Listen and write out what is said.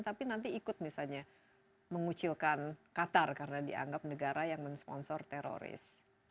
tapi nanti ikut misalnya mengucilkan qatar karena dianggap negara yang mensponsor teroris